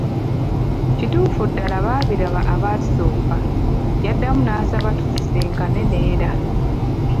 Kituufu ddala baabiraba abaatusooka! Yaddamu n'ansaba tusisinkane n'era.